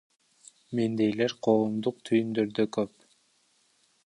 Мендейлер коомдук түйүндөрдө көп.